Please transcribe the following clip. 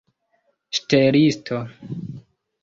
ŝtelisto